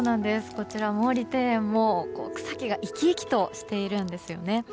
こちら、毛利庭園も、草木が生き生きとしているんですよね。